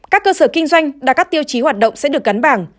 các cơ sở kinh doanh đạt các tiêu chí hoạt động sẽ được gắn bảng